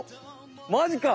マジか！